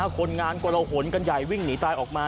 คนงานกลหนกันใหญ่วิ่งหนีตายออกมา